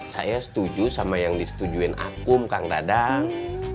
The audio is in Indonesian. saya setuju sama yang disetujuin akum kang dadang